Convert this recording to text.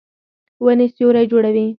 ونې سیوری جوړوي